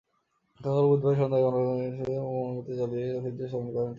গতকাল বুধবার সন্ধ্যায় বধ্যভূমির স্মৃতিস্তম্ভে মোমবাতি জ্বালিয়ে শহীদদের স্মরণ করেন তাঁরা।